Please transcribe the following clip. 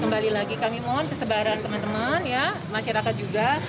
kembali lagi kami mohon kesebaran teman teman masyarakat juga